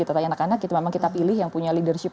anak anak kita pilih yang punya leadership